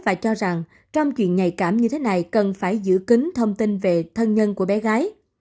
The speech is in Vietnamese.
và cho rằng trong chuyện nhạy cảm như thế này cần phải giữ kính thông tin về thân nhân của bé gái